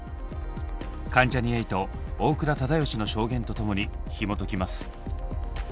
関ジャニ∞大倉忠義の証言と共にひもときます。